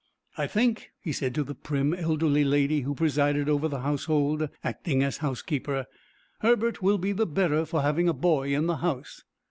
"I think," he said to the prim, elderly lady who presided over the household, acting as housekeeper, "Herbert will be the better for having a boy in the house."